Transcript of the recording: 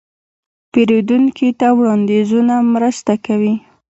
پیرودونکي ته وړاندیزونه مرسته کوي.